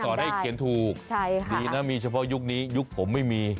ให้เขียนถูกดีนะมีเฉพาะยุคนี้ยุคผมไม่มี